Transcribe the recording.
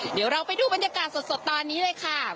เดี๋ยวเราไปดูบรรยากาศสดตอนนี้เลยค่ะ